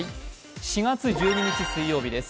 ４月１２日水曜日です。